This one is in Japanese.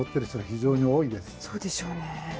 そうでしょうねえ。